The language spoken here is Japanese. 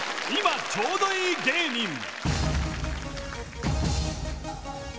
今ちょうどいい芸人